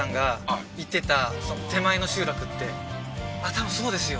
多分そうですよ